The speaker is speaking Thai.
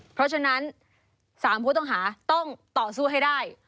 เพราะฉะนั้น๓ผู้ต้องหาต้องต่อสู้ให้ได้